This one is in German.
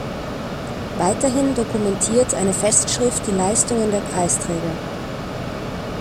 Weiterhin dokumentiert eine Festschrift die Leistungen der Preisträger.